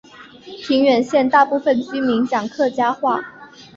平远县大部分居民讲客家话。